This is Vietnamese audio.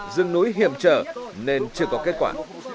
rừng núi hiểm trở nên chưa có kết quả